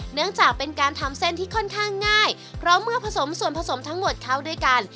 เนื่องจากเป็นการทำเส้นที่ค่อนข้างง่ายเพราะเมื่อผสมส่วนผสมทั้งหมดเข้าด้วยกัน